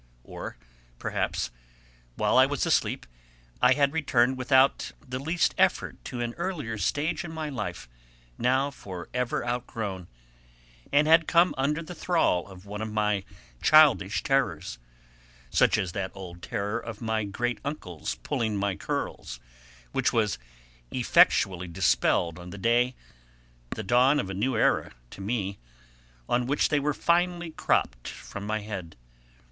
Or, perhaps, while I was asleep I had returned without the least effort to an earlier stage in my life, now for ever outgrown; and had come under the thrall of one of my childish terrors, such as that old terror of my great uncle's pulling my curls, which was effectually dispelled on the day the dawn of a new era to me on which they were finally cropped from my head.